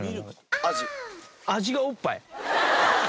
味がおっぱい